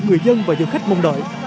người dân và du khách mong đợi